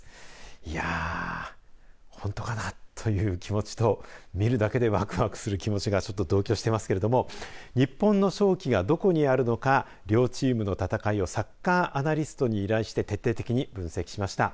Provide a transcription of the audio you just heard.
いやあ、本当かなという気持ちと見るだけで、わくわくする気持ちが同居していますけれども日本の勝機がどこにあるのか両チームの戦いをサッカーアナリストに依頼して徹底的に分析しました。